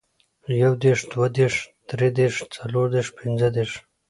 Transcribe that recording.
يو دېرش، دوه دېرش، دري دېرش ، څلور دېرش، پنځه دېرش،